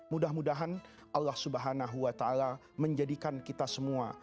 mudah mudahan allah swt menjadikan kita semua